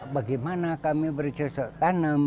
bagaimana kami bercusok tanam